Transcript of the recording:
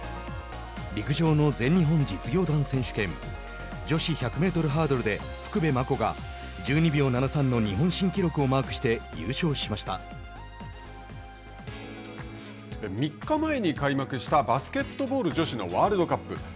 陸上の全日本実業団選手権女子１００メートルハードルで福部真子が１２秒７３の日本新記録をマークして３日前に開幕したバスケットボール女子のワールドカップ。